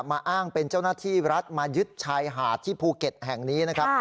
อ้างเป็นเจ้าหน้าที่รัฐมายึดชายหาดที่ภูเก็ตแห่งนี้นะครับ